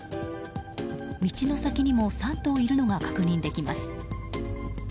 道の先にも３頭いるのが確認できます。